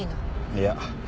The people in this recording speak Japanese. いや。